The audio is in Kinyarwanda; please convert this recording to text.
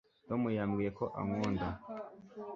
tom yambwiye ko ankunda